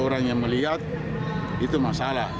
orang yang melihat itu masalah